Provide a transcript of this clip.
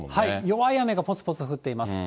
弱い雨がぽつぽつ降っています。